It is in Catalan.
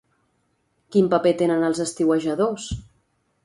Quin paper tenen els estiuejadors?